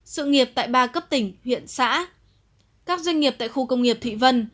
sự nghiệp tại ba cấp tỉnh huyện xã các doanh nghiệp tại khu công nghiệp thụy vân